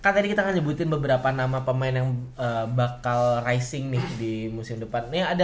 kan tadi kita nyebutin beberapa nama pemain yang bakal rising nih di musim depan